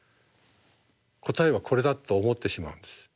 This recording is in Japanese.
答えはこれだと思ってしまうんです。